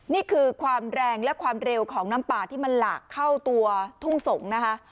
นี่คือความแรงและความเร็วของน้ำป่าที่มันหลากเข้าตัวทุ่งสงศ์นะคะ